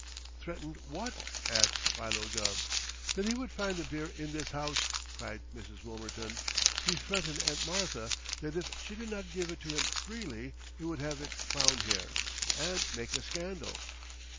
"Threatened what?" asked Philo Gubb. "That he would find the beer in this house!" cried Mrs. Wilmerton. "He threatened Aunt Martha that if she did not give it to him freely, he would have it found here, and make a scandal!